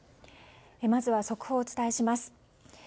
まずは速報をお伝えします。